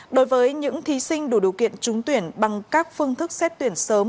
đối với những thí sinh đủ điều kiện trúng tuyển bằng các phương thức xét tuyển sớm